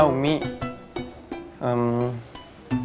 umi senang kalau rimba mau di sini